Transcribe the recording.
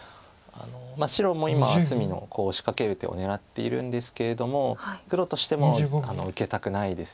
白も今隅のコウを仕掛ける手を狙っているんですけれども黒としても受けたくないです。